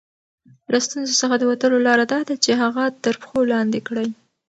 له ستونزو څخه د وتلو لاره دا ده چې هغه تر پښو لاندې کړئ.